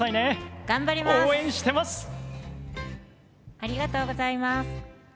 ありがとうございます。